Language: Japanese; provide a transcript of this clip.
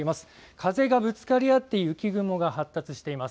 風がぶつかり合って雪雲が発達しています。